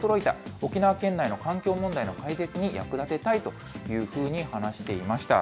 沖縄県内の環境問題の解決に役立てたいというふうに話していました。